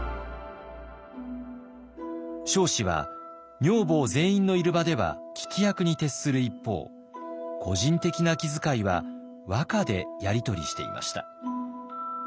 彰子は女房全員のいる場では聞き役に徹する一方個人的な気遣いは和歌でやり取りしていました。